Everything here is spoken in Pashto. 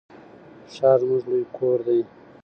ښار زموږ لوی کور دی.